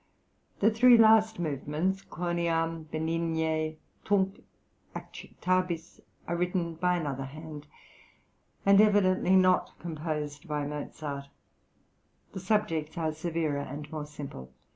The three last movements, Quoniam, Benigne, Tunc acceptabis, are written by another hand, and evidently not composed by Mozart; the subjects are severer and more simple.